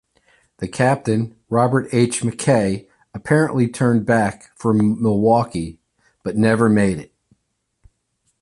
The captain, Robert H. McKay, apparently turned back for Milwaukee, but never made it.